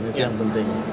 itu yang penting